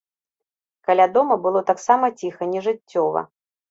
Каля дома было таксама ціха, нежыццёва.